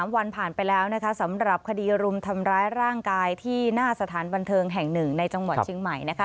วันผ่านไปแล้วนะคะสำหรับคดีรุมทำร้ายร่างกายที่หน้าสถานบันเทิงแห่งหนึ่งในจังหวัดเชียงใหม่นะคะ